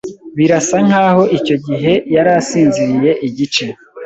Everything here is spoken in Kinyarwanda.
Birasa nkaho icyo gihe yari asinziriye igice.